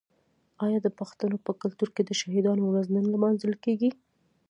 آیا د پښتنو په کلتور کې د شهیدانو ورځ نه لمانځل کیږي؟